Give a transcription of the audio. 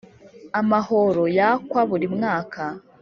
Amahoro yakwa buri mwaka